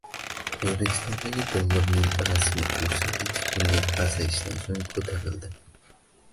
O‘zbekistonda dollarning rasmiy kursi ikki kunlik pastlashdan so‘ng ko‘tarildi